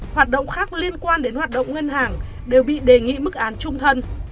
hoạt động khác liên quan đến hoạt động ngân hàng đều bị đề nghị mức án trung thân